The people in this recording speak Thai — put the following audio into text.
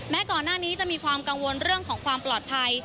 ก่อนหน้านี้จะมีความกังวลเรื่องของความปลอดภัย